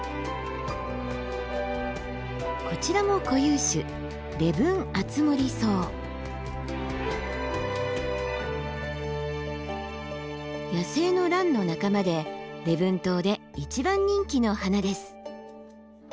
こちらも固有種野生のランの仲間で礼文島で一番人気の花です。